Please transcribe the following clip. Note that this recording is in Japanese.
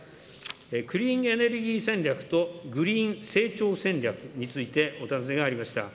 クリーンエネルギー戦略とグリーン成長戦略について、お尋ねがありました。